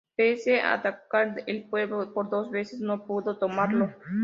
Pese a atacar el pueblo por dos veces, no pudo tomarlo.